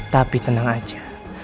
tapi tenang aja